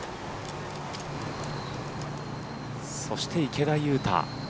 そして池田勇太。